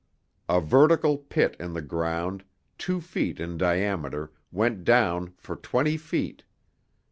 A vertical pit in the ground, two feet in diameter, went down for twenty feet.